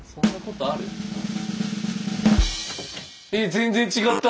全然違った！